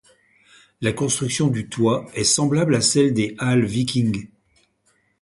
La construction du toit est semblable à celle des halles Vikings.